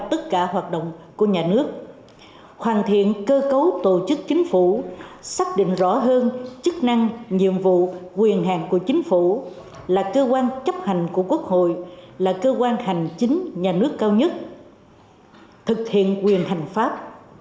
tất cả hoạt động của nhà nước hoàn thiện cơ cấu tổ chức chính phủ xác định rõ hơn chức năng nhiệm vụ quyền hạn của chính phủ là cơ quan chấp hành của quốc hội là cơ quan hành chính nhà nước cao nhất thực hiện quyền hành pháp